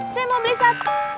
saya mau beli satu